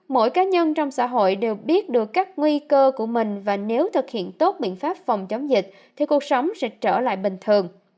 mỗi cá nhân trong xã hội đều biết được các nguy cơ của mình và nếu thực hiện tốt biện pháp phòng chống dịch thì cuộc sống sẽ trở lại bình thường